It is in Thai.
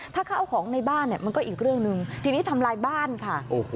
ถ้าข้าวของในบ้านเนี่ยมันก็อีกเรื่องหนึ่งทีนี้ทำลายบ้านค่ะ